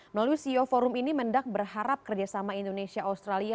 melalui ceo forum ini mendak berharap kerjasama indonesia australia